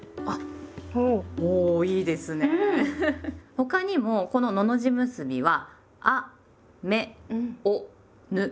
他にもこの「のの字結び」は「あ・め・お・ぬ」